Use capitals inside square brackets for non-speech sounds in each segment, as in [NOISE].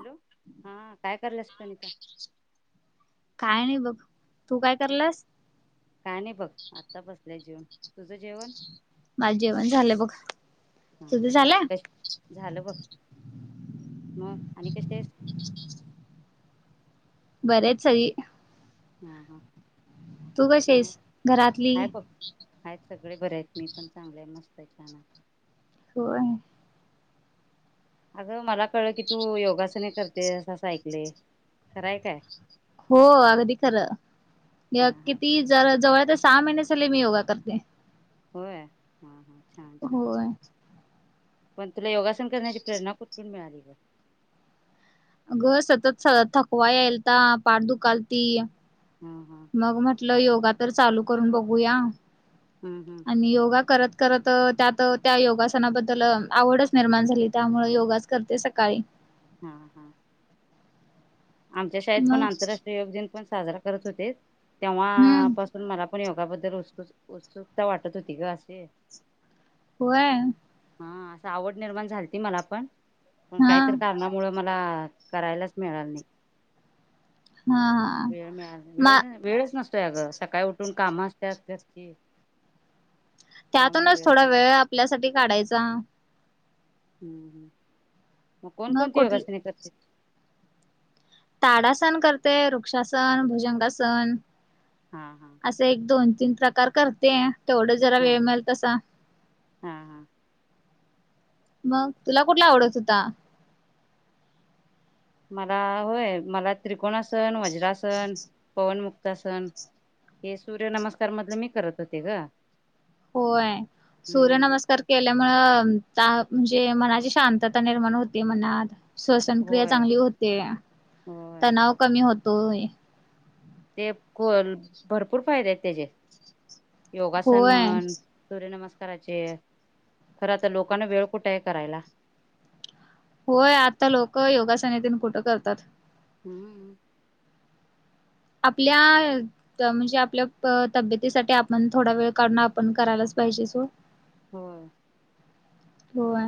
Hello! हा काय करायल्यास प्रणिता? काय नाही बघ, तू काय करल्यास? काय नाही बघ, आता बसल्या जेऊन, तुझं जेवण? माझं जेवण झालंय बघ, हा तुझं हा झालंय? कश झालं बघ मग आणि कशी हायस? बरे आहेत सगळी. हा हा. तू कशी मग, आहेस घरातली आहे बघ आहेत सगळे बरे आहेत मी पण चांगली आहे मस्त. तय छान आहे. होय. अगं मला कळलं की तू योगासने करते असं ऐकलंय, खरंय काय? हो अगदी खरं, हा मग हा किती जरा जवळ रस सहा महिने झाले मी योगा करते. होय, हा हा. छान छान होय. पण तुला योगासन करण्याची प्रेरणा कुठून मिळाली गं? अगं सतत स थकवा यायलता पाठ दुखालती. हा हा मग म्हटलं योगा तर चालू करून बघूया, हम्म हम्म आणि योगा करत करत अ त्यात त्या योगासनाबद्दल अ आवडच निर्माण झाली, त्यामुळं योगाच करते सकाळी. हा हा. आमच्या शाळेत पण मग आंतरराष्ट्रीय योग दिन पण साजरा करत होते, तेव्हा हम्म पासून मला पण योगाबद्दल उत्सु उत्सुकता वाटत होती गं अशी. होय. हा असं आवड निर्माण झालती मला पण, पण हा काहीतर कारणामुळं मला करायलाच मिळाल नई. हा हा वेळ मिळा, वेळ मा नई, वेळच नसतोय आगं. सकाळी उट न् कामं असत्यात त्याची. त्यातूनच थोडा वेळ आपल्यासाठी काढायचा. हम्-हम्, म मग कोनकोनती कुठ योगासनी करत्यात? ताडासन करतय, वृक्षासन, भुजंगासन हा हा. असे एक दोन. तीन प्रकार करतेय. तेवढं जरा हा वेळ मिळल तसा. हा हा मग तूला कुटला आवडत होता. मला, व्हय मला त्रिकोणासन, वज्रासन, पवनमुक् तासन, हे सूर्यनमस्कार मधलं मी करत होते गं. होय, सूर्यनमस्कार केल्यामुळं ताह् म्हणजे मनाची शांतता निर्माण होते मनात. श्वसन क्रिया होय चांगली होते. होय तणाव कमी होतोय. तेप कोल भरपूर फायदे आहेत त्याचे. योगासन होय म्हण, सूर्यनमस करायचे, खरं त लोकांना वेळ कुटं आय करायला. होय आता लोकं योगासनेतेन कुटं करतात. हम्म आपल्या त म्हणजे आपल्या प तब्येतीसाठी आपण थोडा वेळ काढून आपण करायलाच पाहिजेच ओ होय. होय,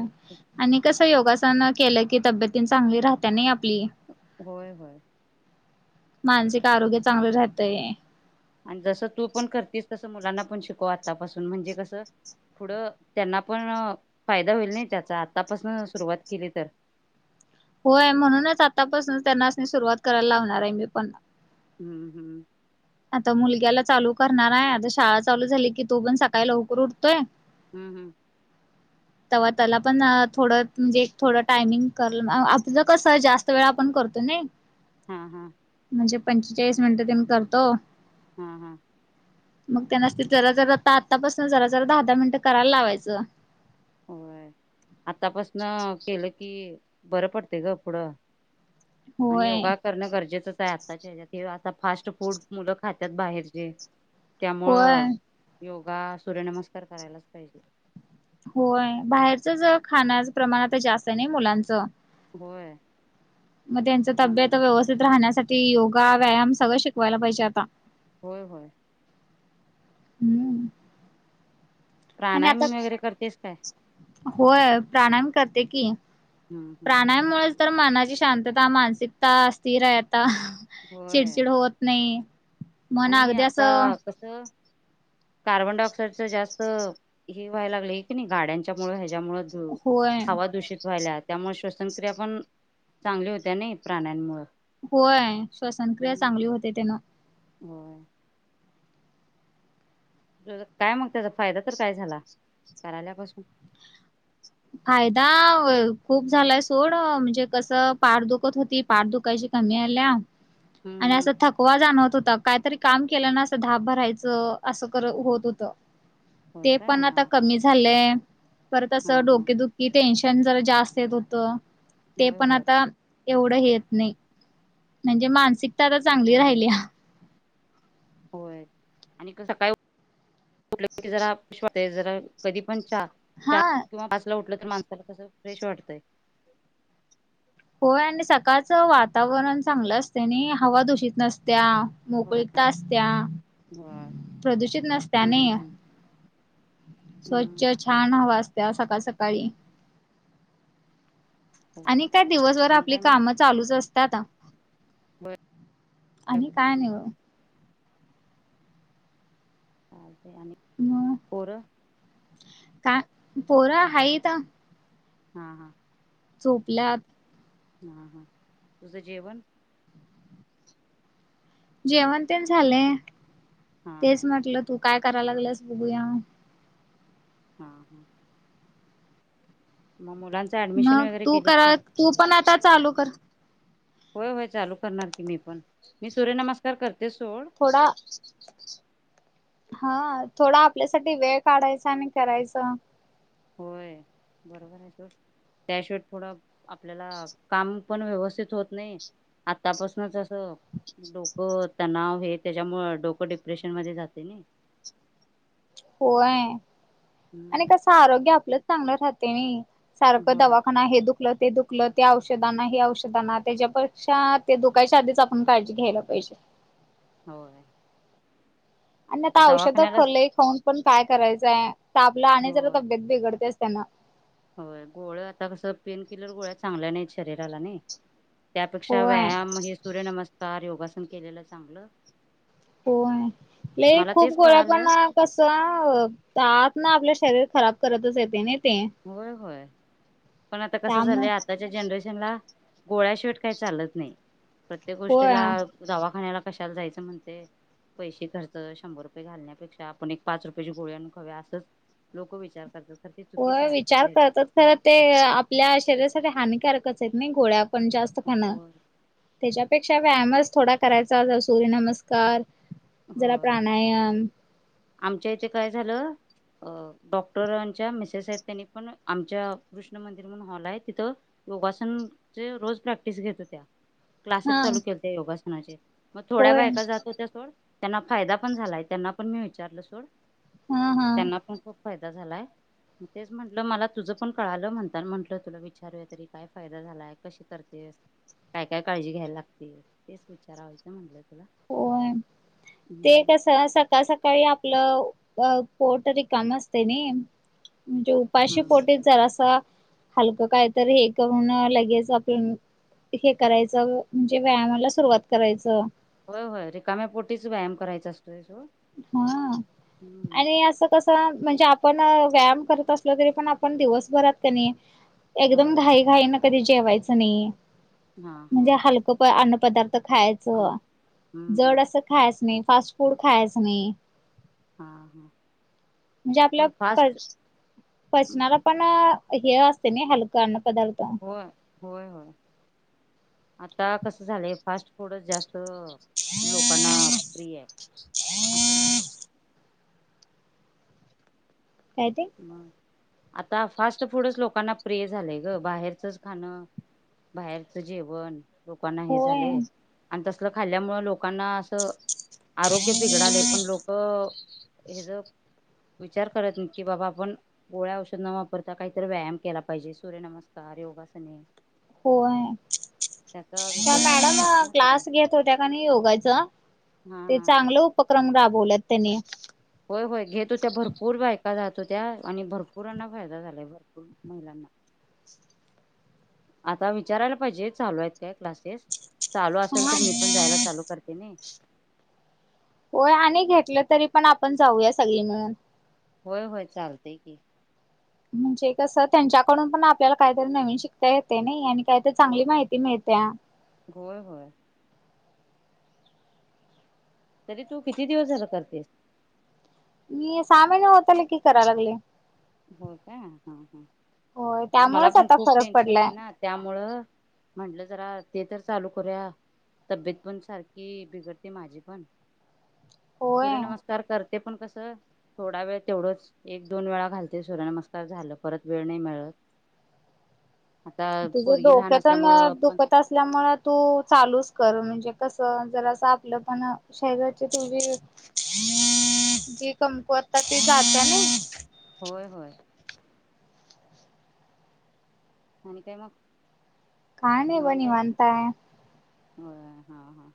आणि कसं योगासनं केलं की तब्यतेन चांगली राहते नाई आप होय-होय मानसिक आरोग्य चांगले राहतंय. आणि जसं तू पण करतीस, तसं मुलांना पण शिकव आतापासून म्हणजे कसं पुढं त्यांना पण फायदा होईल नाही त्याचा. आतापासून सुरुवात केली तर. [UNINTELLIGIBLE] होय म्हणूनच आतापासून त्यांना सुरुवात करायला लावणार आहे मी पण हम्म हम्म आता मुलग्याला चालू करणार आहे, आता शाळा चालू झाली की तो पण सकाळी लवकर उठतोय हम्म हम्म तव्हा त्याला पण अं थोडं म्हणजे थोडं टायमिंग करण, आपलं कसं जास्त वेळ आपण करतोय. नाही हां हां जे पंचेचाळीस मिनिटं त्यांमी करतो. हां हां मग त्यांना नसती जरा जरा आता आत्तापासून जरा जरा दहा दहा मिनिटं करायला लावायचं. होय आतापासन केलं की बरं पडते ग पुढं. आणि होय योगा करणं गरजेचंच आहे आत आता त्याज्या ते, आता फास्ट फूड मुलं खात्यात बाहेरची होय त्यामुळं योग बघा, सूर्यनमस्कार करायलाच पाहिजे. होय बाहेरच जर खाणार, प्रमाण आता जास्त नाही मुलांचं होय मग त्यांच तब्येत त्यामुळे व्यवस्थित राहण्यासाठी योगा व्यायाम सगळं शिकवायला पाहिजे आता. होय होय हम्म आणि प्राणायाम आता वगैरे करतेस काय होय प्राणायाम करते की, हम्म हम्म प्राणायाममुळेच तर मनाची शांतता मानसिकता स्थिर आहेत. आता होय चिडचिड होत नाही मन आणि अगदी आता असं कसं? कार्बन डायआॅक्साइडचा जास्त हे व्हायला लागलंय की नाही गाड्यांच्या ह्या त्यामुळे दू होय. हवा दूषित व्हायलात. त्यामुळे श्वसनक्रिया पण चांगली होत्या नाही प्राणायाममुळं होय श्वसनक्रिया चांगली होते त्यानं होय तर काय मग त्याचा फायदा तर काय झाला करायल्यापासून फायदा होय खूप झालाय सोड म्हणजे कसं पार दुखत होती पाठ दुखायची आनी आल्याव हम्म आणि हम्म असा थकवा जाणवत होता कायतरी काम केलं ना असं धाप भरायचं, असं खर होत होतं होय ते काय हा पण आता हा कमी झालंय, परत हा असं डोकं हा टेन्शन जरा जास्त येत होतं, ते होय पण होय आता एवढं हे येत नाही. म्हणजे मानसिकता आता चांगली होय राहिलीया. होय आणि कसं काय? कुठ जरा जरा कधी पण चहा हा चार किंवा पाच ला उठलं तर माणसाला कस फ्रेश वाटतय. होय, आणि सकाळच वातावरण चांगलं असते आणि हवा दूषित नसत्याया होय मोकळीता असत्या होय प्रदूषण नसत्याया हम्म नाही, हम्म हम्म स्वच्छ छान तेच हवा असत्या सकाळ सकाळी सकाळी होय आणि काय दिवसभर आणि आपली काय मग काम चालूच अस ता बर आणि काय नाही, म पोर का पोर हाईत. हा हा झोपल्यात हा हा तुज जेवन? जेवण तेण झालय हा हा तेच म्हटलं तू काय करायला लागल्यास बघूया. [INAUDIBLE] मग मुलांच ऍडमिशन मग वगैरे तू केलीस कर, काय तू पण आता चालू कर. होय, होय चालू करणार की मी पण मी सूर्य नमस्कार कर थोडा. हा थोडा आपल्यासाठी वेळ काढायचा आणि करायच. होय बरोबर आहे सो त्याशिवाय पुढ आपल्याला काम पण व्यवस्थित होत नाही आतापासूनच अस ह डोक हो तणाव हे त्याच्या मुळ डोक डिप्रेशन मध्ये जातय नई. होय आणि कस आरोग्य आपलंच चांगलं राहते नई. सारख होय दवाखाना हे दुखल ते दुख ल ते औषध आना हे, औषध आना, त्याच्यापेक्षा ते दुकायच्या आधीच आपण काळजी घ्यायला पाहिजे? हो! आणि आता औषध लय खाऊन पण काय करायचंय त आपल आणि जरा होय तब्येत बिघडतेच त्यांना होय गोळ आता कस पेन किलर गोळ्या चांगल्या नाहीत शरीराला नाही. त्यापेक्षा होय व्यायाम हे सूर्यनमस्कार योगासन केलेलं चांगल. होय लय खूप गोळ्या पण कळालं कस आतन आपल्या श शरीर खराब करतच येते नाही होय, होय, पण आता कस त्यामु झालय आताच्या जनरेशनला गोळ्या शिवाट काही चालत नाही, प्रत्येक होय गोष्टीला दवाखान्याला कशाला जायच म्हणते पैसे खर्च शंभर रुपये घालण्यापेक्षा आपण एक पाच रुपयाेची गोळ्या आण खाऊया असंच लोक विचार करतात. ते चुकीच होय आहे विचार आत्ताच्या ह्याच्यात करतात खर ते आपल्या शरीरासाठी हानिकारकच आहेत नाही गोळ्या पण जास्त खाणं होय त्याच्यापेक्षा व्यायामच थोडा करायचा सूर्य नमस्कार होय आमच्या इथे काय झालं अ डॉक्टरांच्या मीसेस आहेत त्यांनी पण आमच्या कृष्ण मंदिर म्हणून हॉल आहे तिथ योगासनचे रोज प्रॅक्टिस घेत त्या क्लासेस हा चालू केलते योगासनाचे मग थोड्या व होय बायका जात होत्या सोड त्यांना फायदा पण झालाय त्यांना पण मी विचारल सोड हा हा त्यांना पण खूप फायदा झालाय. मग तेच म्हटलं मला तुझ पण कळाल, म्हणतान म्हटल तुला विचारूया तरी काय फायदा झालाय कशी करते काय, काय काळजी घ्यायला लागते तेच विचारायचं म्हटलं तुला होय ते हम्म. कस सकाळ, सकाळी, आपलं अ पोट रीकाम असतेय नाही, म्हणजे उपाशी हम्म पोटी जर असं हलक काय तर हे करून लगेच आपूण हे करायच म्हणजे व्यायामाला सुरुवात करायचं होय, रिकाम्यापोटीच व्यायाम करायचा अस हां आणि असं कसं म्हणजे आप ण व्यायाम करत असलो तरी, पण आपण दिवसभरात कनी एकदम होय घाई घाईन कधी जेवायच नाही हा हा म्हणजे हलक प अन्न पदार्थ आल खायाचं हम्म हम्म जड असं खायाचं नाही, फास्ट फूड खायाचं नाही हां हां! म्हणजे आपल्या पच पचनालापण हें असतय नई हलक अन्न पदार्थ काय होय, होयं, होयं! आतां कस झालंय फास्ट फूडच जास्तं लोकांना प्रिय आहे. असं झालंय- ते म आता फास्ट फूडचं लोकांना प्रिय झालंय गं बाहेरचच खाणं बाहेरचं जेवण लोकांना हें होय झालंय आणि तसलं खाल्ल्यामुंळ लोकांना असं- आरोग्य बिघडालय पण लोकं हे जा विचार करत नाहित... कि बाबा आपण गोळ्या औषध न वापरता काहीतरी व्यायाम केला पाहिजे, सूर्यनमस्कार योगासने... होय... त्याचा त्या विचार करायला पाहिजे मॅडमं ना त्याने क्लास घेत होत्या का नाही योगाच.... हा ते हा चांगले उपक्रम राबवल्यात त्यांनी... होय होय घेत होत्या भरपूर बायका जात होत्या आणि भरपूरांना फायदा झालाय भरपूर महिलांना.... [UNINTELLIGIBLE] [UNINTELLIGIBLE] आता विचारायला पाहिजे चालू आहेत काय क्लासेस चालू असेल तर मी पण जायला चालू... करते नाही... होय आणि घेतलं तरी पण आपण जाऊया संगळी मिळून.... होंय होंय चालतय की...... म्हणजे कस त्यांच्याकडून पण आपल्याला काहीतरी नवीन शिकता येतय नाही आणि... काय तर हो चांगली माहिती मिळत्या.... होय होय तरी तू किती दिवस झाल करतेस? मी सहा महीने होत आले कि कराय लागले... होय का हां होय हां... मला त्यामुळेच पण आता खूप फरक टेन्शन पडलाय हाय नां त्यामुळं... म्हटलं जरा ते तर चालू करूया तब्येत पण सारखी बिघडते माझी पण.... होय. सूर्य नमस्कार करते पण कसं थोडा वेळ तेवढंच एक दोन वेळा घाल... ते सूर्यनमस्कार झालं परत वेळ नाही मिळत... आता तुझ पोरगी डोक लहान तेन असल्यामुळं पण दुखत असल्यामुळे तू चालूच कर म्हणजे... ते कस जरास आपलं पण शरीराची तेवढी जी कम... तरता ते जात नाही.... होय होय.... आणि काय मग? काय नाही बघ निवांत हाय.... होय हां हां...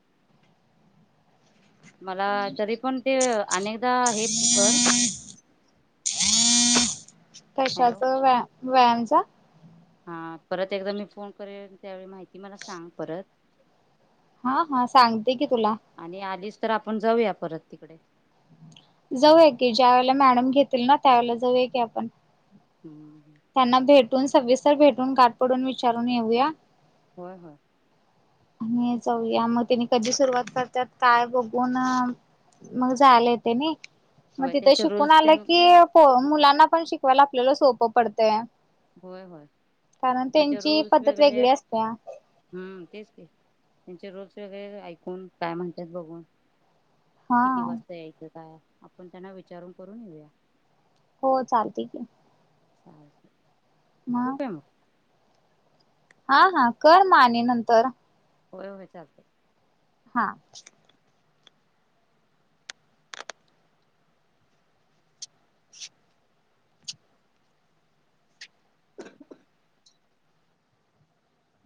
मलां तरी पण तें अनेकदा हे कर... हॅलो कशाच व्या-व्यायामचा.... हां परत एकदा मी फोनकरेन त्यावेळी माहिती मला सांग परत.... हां हां सांगते की तुला.... आणि आलीच तर आपण जाऊया परत तिकडे.... जाऊया की ज्यावेळेला मॅडम घेतील नां त्यावेेळेला जाऊया की आपण... हुं... त्यांना भेटून सविस्तर भेटून गाठ पडून विचारून येऊया.... होय होय.. आणि जाऊया मग तेनी कधी सुरुवात करतात काय बघून, मग जायला येतंय नाही.. मग होय तिथे त्यांचे शिकून रूल्स आलं त्यां की पो मुलांना पण शिकवायला आपल्याला सोपं पडतंय.... होय होय कारण त्यांचे त्यांची रूल्स पद्धत वेगळे वेगळी असत्या.... हम्म तेच की.... त्यांचे रोल्स वगैरे ऐकून काय म्हणतात बघून हा किती वाजता यायचं... काय आपण त्यांना विचारून करून येेऊया.... हो चालतंय की.... ठेऊ काय म? हां हां कर म आणि नंतर.... होय होय चालतंय.... हां....